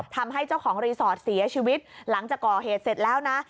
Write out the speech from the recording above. ทำให้เจ้าของรีสอร์ทเสียชีวิตหลังจากก่อเหตุเสร็จแล้วนะ